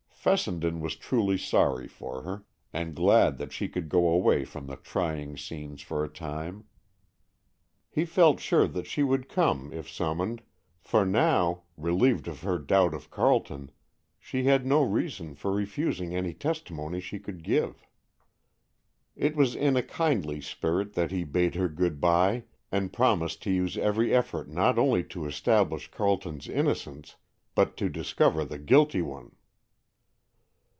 Fessenden was truly sorry for her, and glad that she could go away from the trying scenes for a time. He felt sure that she would come, if summoned, for now, relieved of her doubt of Carleton, she had no reason for refusing any testimony she could give. It was in a kindly spirit that he bade her good by, and promised to use every effort not only to establish Carleton's innocence, but to discover the guilty one.